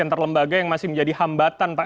dan juga ada lembaga yang masih menjadi hambatan pak